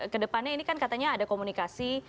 kedepannya ini kan katanya ada komunikasi